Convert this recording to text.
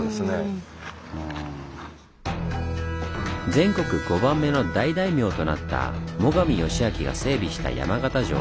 全国５番目の大大名となった最上義光が整備した山形城。